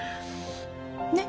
ねっ？